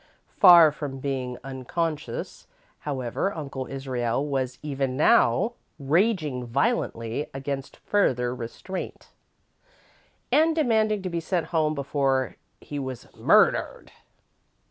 Far from being unconscious, however, Uncle Israel was even now raging violently against further restraint, and demanding to be sent home before he was "murdered."